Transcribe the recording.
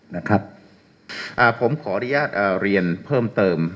นะครับอ่าผมขออนุญาตเรียนเพิ่มเติม